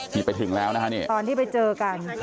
นี่ไปถึงแล้วนะฮะนี่ตอนที่ไปเจอกัน